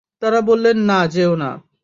তাঁরা বললেন, না, যেয়ো না।